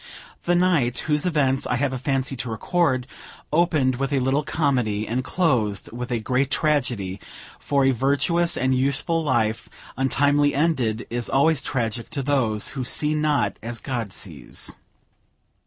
The night whose events I have a fancy to record, opened with a little comedy, and closed with a great tragedy; for a virtuous and useful life untimely ended is always tragical to those who see not as God sees.